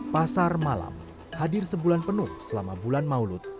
pasar malam hadir sebulan penuh selama bulan maulud